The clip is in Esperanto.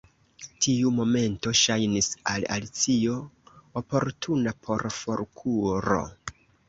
Tiu momento ŝajnis al Alicio oportuna por forkuro.